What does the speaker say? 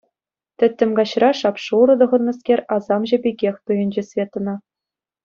Тӗттӗм каҫра шап-шурӑ тӑхӑннӑскер асамҫӑ пекех туйӑнчӗ Светӑна.